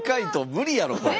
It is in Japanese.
無理やろこれ。